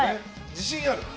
自信ある？